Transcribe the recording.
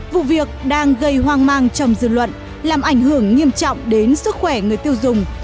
vụ việc đang gây hoang mang trong dư luận làm ảnh hưởng nghiêm trọng đến sức khỏe người tiêu dùng